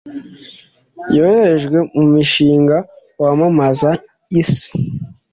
yoherejwe mu mushinga wamamaza isi